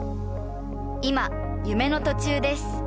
今夢の途中です。